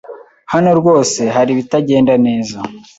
Hano rwose hari ibitagenda neza.